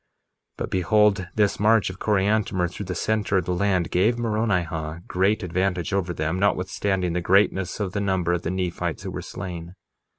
1:25 But behold, this march of Coriantumr through the center of the land gave Moronihah great advantage over them, notwithstanding the greatness of the number of the Nephites who were slain.